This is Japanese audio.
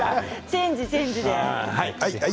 チェンジ、チェンジで。